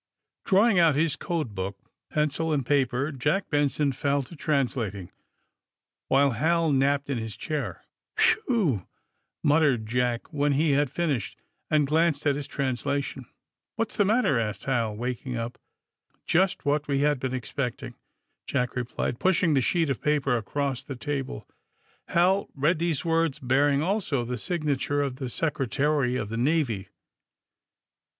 Drawing out his code book, pencil and paper. Jack Benson fell to translating, while Hal napped in his chair. ^^Whew!" muttered Jack, when he had fin ished and glanced at his translation. AND THE SMUGGLERS 103 What's the matter ?" asked Hal, waking up. *' Just what we had been expecting, '' Jack re plied, pusliing the sheet of paper across the table. Hal read these words, bearing also the signa ture of the Secretary of the Navy.